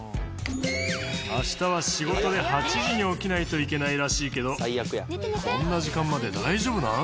明日は仕事で８時に起きないといけないらしいけどこんな時間まで大丈夫なん？